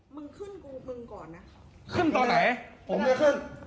มึงขึ้นกูมึงก่อนนะขึ้นตอนไหนผมไม่ขึ้น